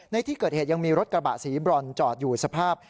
ในที่เกิดเหตุยังมีรถกระบะสีบรอนจอดอยู่สภาพ